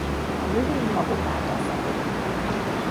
A növény magok által szaporodik.